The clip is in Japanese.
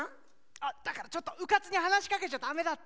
あっだからちょっとうかつに話しかけちゃダメだって。